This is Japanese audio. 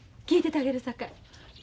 聞いててあげるさかい。